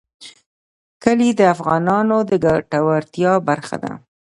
کلي د افغانانو د ګټورتیا برخه ده.